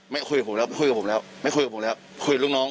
ไม่คุยกับผมแล้วไม่คุยกับผมแล้วไม่คุยกับผมแล้วคุยกับลูกน้อง